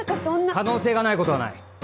可能性がないことはない。